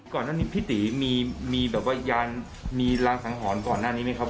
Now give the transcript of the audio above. ก่อนหน้านี้พี่ตีมีแบบว่ายานมีรางสังหรณ์ก่อนหน้านี้ไหมครับ